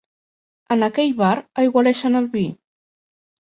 En aquell bar aigualeixen el vi.